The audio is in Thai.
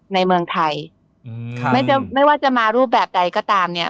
ในเมืองไทยไม่ว่าจะมารูปแบบใดก็ตามเนี่ย